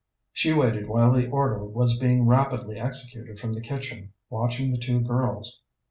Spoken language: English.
She waited while the order was being rapidly executed from the kitchen, watching the two girls.